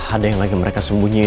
ada yang lagi mereka sembunyi